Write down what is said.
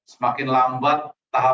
semakin lambat tahap